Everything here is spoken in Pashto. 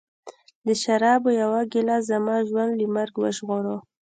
د شرابو یوه ګیلاس زما ژوند له مرګ وژغوره